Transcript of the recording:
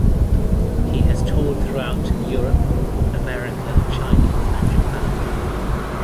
He has toured throughout Europe, America, China and Japan.